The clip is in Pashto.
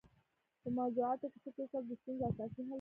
په موضوعاتو کي فکر کول د ستونزو اساسي حل دی.